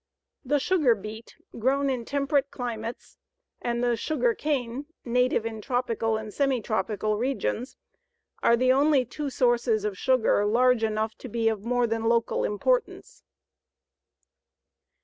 The sugar beet, grown in temperate climates, and the sugar cane, native in tropical and semitropical regions, are the only two sources of sugar large enough to be of more than local importance.